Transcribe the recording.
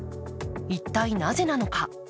一体なぜなのか。